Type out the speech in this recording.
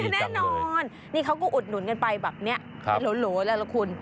แน่นอนนี่เขาก็อุดหนุนกันไปแบบนี้โหลแล้วล่ะคุณ